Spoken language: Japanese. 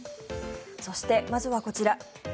そして、まずはこちら。